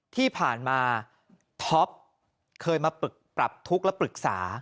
ที่ผ่านมาท็อปเคยมาปึกปรับทุกข์และปรึกษา